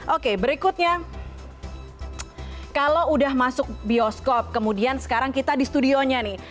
oke berikutnya kalau udah masuk bioskop kemudian sekarang kita di studionya nih